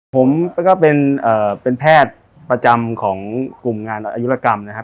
ผมก็เป็นแพทย์ประจำของกลุ่มงานอายุรกรรมนะครับ